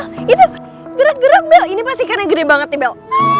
eh eh bel bel itu gerak gerak bel ini pasti ikan yang gede banget nih bel